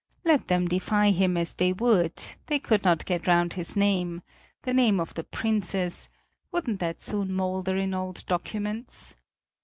Let them defy him as they would they could not get round his name; the name of the princess wouldn't that soon moulder in old documents?